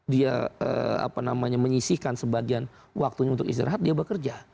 dia menyisihkan sebagian waktunya untuk istirahat dia bekerja